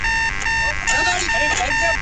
چي په یاد زموږ د ټولواک زموږ د پاچا یې !.